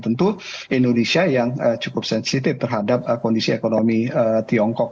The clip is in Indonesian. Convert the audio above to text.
tentu indonesia yang cukup sensitif terhadap kondisi ekonomi tiongkok